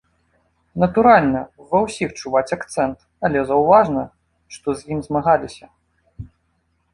Натуральна, ва ўсіх чуваць акцэнт, але заўважна, што з ім змагаліся.